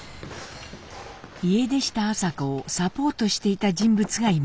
家出した麻子をサポートしていた人物がいました。